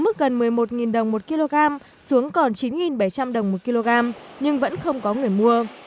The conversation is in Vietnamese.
mức gần một mươi một đồng một kg xuống còn chín bảy trăm linh đồng một kg nhưng vẫn không có người mua